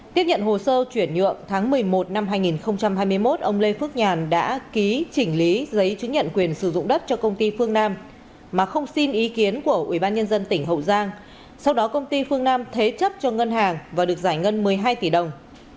tiếp nhận hồ sơ chuyển nhượng tháng một mươi một năm hai nghìn hai mươi một ông lê phước nhàn đã ký chỉnh lý giấy chứng nhận quyền sử dụng đất cho công ty phương nam mà không xin ý kiến của ubnd tỉnh hậu giang sau đó công ty phương nam thế chấp cho ngân hàng và được giải ngân một mươi hai tỷ đồng